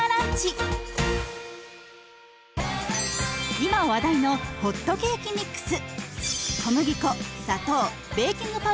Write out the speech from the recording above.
今話題のホットケーキミックス。